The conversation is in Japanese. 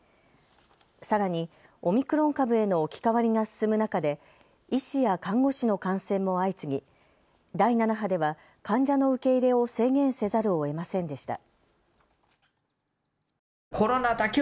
さらにオミクロン株への置き換わりが進む中で医師や看護師の感染も相次ぎ第７波では患者の受け入れを制限せざるをえませんでした。